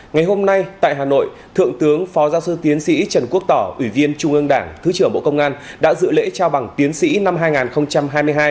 ngày hôm nay tại hà nội thượng tướng phó giáo sư tiến sĩ trần quốc tỏ ủy viên trung ương đảng thứ trưởng bộ công an đã dự lễ trao bằng tiến sĩ năm hai nghìn hai mươi hai